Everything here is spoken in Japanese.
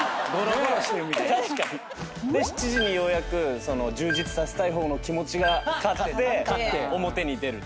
７時にようやく充実させたい方の気持ちが勝って表に出る。